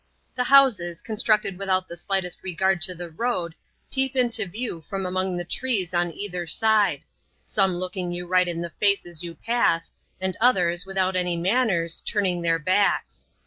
The houses, constructed without the slightest regard to the road, peep into view from among the trees on either side ; some looking you right in the face as you pass, and others, without any manners, turning their backs.